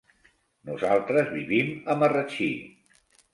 Nosaltres vivim a Marratxí.